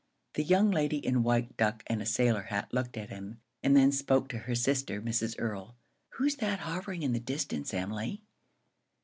The young lady in white duck and a sailor hat looked at him, and then spoke to her sister, Mrs. Earl. "Who's that hovering in the distance, Emily?"